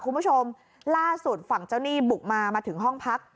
คุณผู้ชมล่าสุดฝั่งเจ้าหนี้บุกมามาถึงห้องพัก